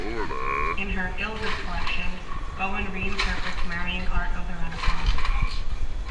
In her "Gilded" collection, Bowen reinterprets Marian art of the Renaissance.